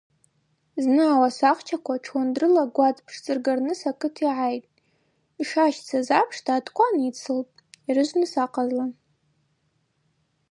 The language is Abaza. Зны ауасахчаква чвуандырла гвадз пшцӏырганыс акыт йгӏайтӏ, йшащцаз апшта аткван йыдсылтӏ йрыжвныс ахъазла.